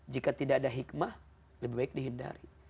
jika tidak ada hikmah lebih baik dihindari